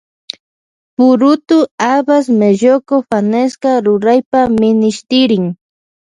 Purutu habas melloco fanesca ruraypa minishtirin.